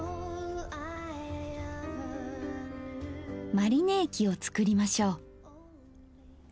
マリネ液を作りましょう。